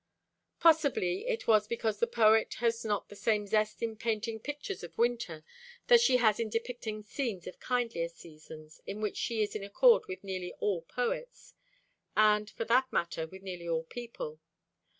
Possibly it was because the poet has not the same zest in painting pictures of winter that she has in depicting scenes of kindlier seasons, in which she is in accord with nearly all poets, and, for that matter, with nearly all people.